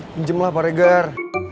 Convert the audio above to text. pinjem lah pak regar